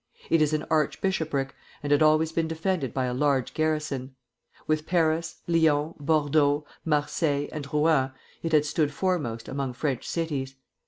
It is an arch bishopric, and had always been defended by a large garrison. With Paris, Lyons, Bordeaux, Marseilles, and Rouen, it had stood foremost among French cities.